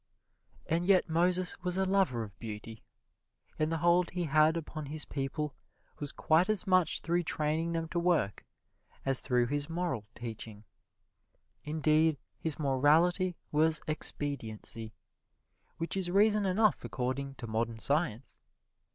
And yet Moses was a lover of beauty, and the hold he had upon his people was quite as much through training them to work as through his moral teaching. Indeed, his morality was expediency which is reason enough according to modern science.